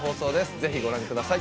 ぜひご覧ください。